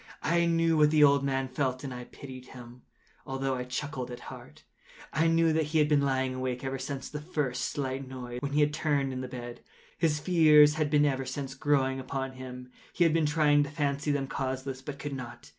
I knew what the old man felt, and pitied him, although I chuckled at heart. I knew that he had been lying awake ever since the first slight noise, when he had turned in the bed. His fears had been ever since growing upon him. He had been trying to fancy them causeless, but could not.